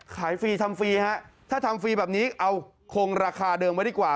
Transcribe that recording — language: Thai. ฟรีทำฟรีฮะถ้าทำฟรีแบบนี้เอาคงราคาเดิมไว้ดีกว่า